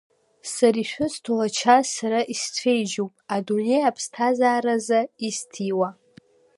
Сара ишәысҭо ача Сара исцәеижьуп, адунеи аԥсҭазааразы исҭиуа.